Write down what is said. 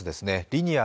リニア